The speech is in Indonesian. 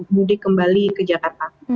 mudik kembali ke jakarta